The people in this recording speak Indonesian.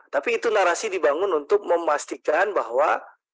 tapi itu narasi dibangun untuk memastikan bahwa